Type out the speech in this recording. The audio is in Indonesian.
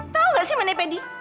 tahu gak sih menipedi